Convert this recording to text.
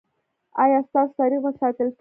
ایا ستاسو تاریخ به ساتل کیږي؟